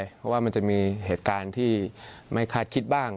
เพราะว่ามันจะมีเหตุการณ์ที่ไม่คาดคิดบ้าง